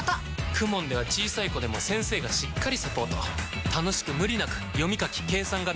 ＫＵＭＯＮ では小さい子でも先生がしっかりサポート楽しく無理なく読み書き計算が身につきます！